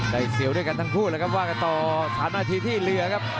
เสียวด้วยกันทั้งคู่เลยครับว่ากันต่อ๓นาทีที่เหลือครับ